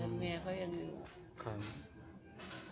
แต่แม่เขายังอยู่ค่ะ